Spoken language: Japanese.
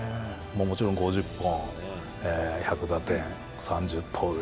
もちろん５０本、１００打点、３０盗塁。